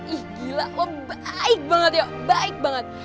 ih gila lo baik banget yo baik banget